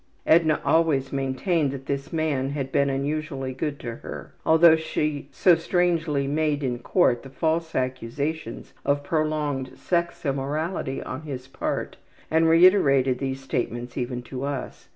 (Edna always maintained that this man had been unusually good to her, although she so strangely made in court the false accusations of prolonged sex immorality on his part and reiterated these statements even to us.